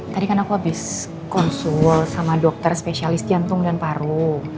tadi kan aku habis konsul sama dokter spesialis jantung dan paru